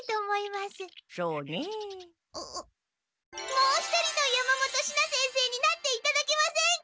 もう一人の山本シナ先生になっていただけませんか？